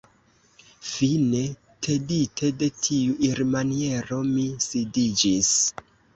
Fine, tedite de tiu irmaniero, mi sidiĝis.